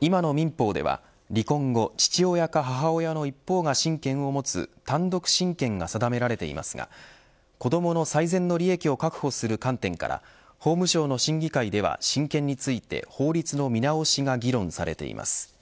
今の民法では離婚後父親か母親の一方が親権を持つ単独親権が定められていますが子どもの最善の利益を確保する観点から法務省の審議会では親権について法律の見直しが議論されています。